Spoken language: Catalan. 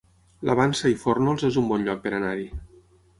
La Vansa i Fórnols es un bon lloc per anar-hi